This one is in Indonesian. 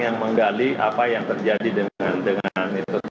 yang menggali apa yang terjadi dengan itu